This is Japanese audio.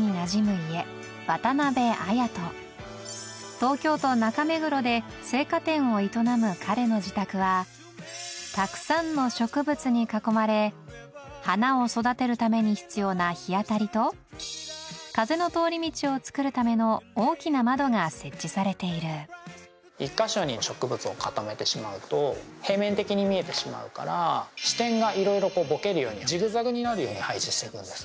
東京都中目黒で生花店を営む彼の自宅はたくさんの植物に囲まれ花を育てるために必要な日当たりと風の通り道をつくるための大きな窓が設置されている１か所に植物を固めてしまうと平面的に見えてしまうから視点がいろいろボケるようにジグザグになるように配置して行くんです。